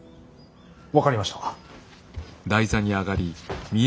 分かりました。